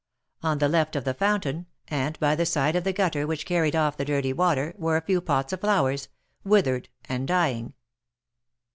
On the left of the fountain, and by the side of the gutter which carried off* the dirty water, were a few pots of flowers, withered and dying.